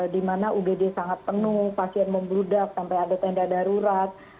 di mana ugd sangat penuh pasien membludak sampai ada tenda darurat